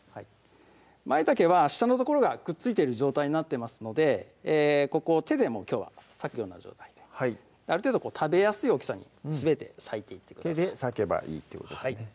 まいたけは下の所がくっついてる状態になってますのでここを手でもうきょうは裂くような状態である程度食べやすい大きさにすべて裂いていってください手で裂けばいいってことですね